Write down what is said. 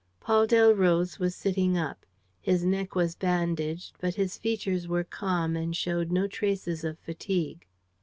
Paul Delroze was sitting up. His neck was bandaged; but his features were calm and showed no traces of fatigue.